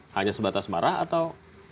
hanya sebatas marah atau